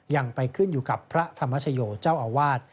ยังไปขึ้นอยู่กับพระธรรมชโยเจ้าอาวาส